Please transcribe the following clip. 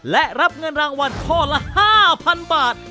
และรับเงินรางวัลข้อละ๕๐๐๐บาท